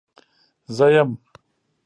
زه يم.